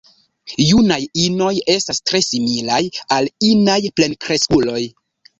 Junaj inoj estas tre similaj al inaj plenkreskuloj.